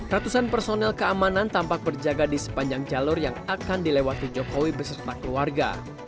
ratusan personel keamanan tampak berjaga di sepanjang jalur yang akan dilewati jokowi beserta keluarga